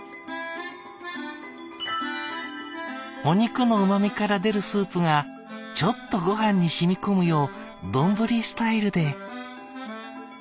「お肉のうまみから出るスープがちょっとごはんに染み込むようどんぶりスタイルで」。